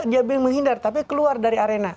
dia menghindar tapi keluar dari arena